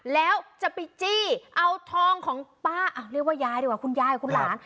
แล้วจะไปจี้เอาทองของป้าเรียกว่ายายดีกว่าคุณยายคุณหลาน